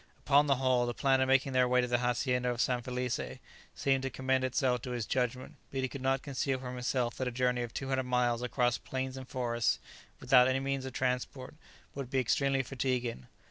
Upon the whole, the plan of making their way to the hacienda of San Felice seemed to commend itself to his judgment; but he could not conceal from himself that a journey of 200 miles across plains and forests, without any means of transport, would be extremely fatiguing.